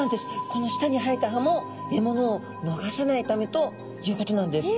この舌に生えた歯もえものをのがさないためということなんです。